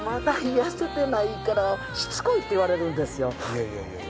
いやいやいやいや。